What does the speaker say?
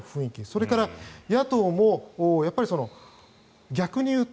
それから野党も逆に言うと